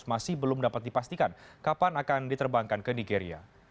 masih belum dapat dipastikan kapan akan diterbangkan ke nigeria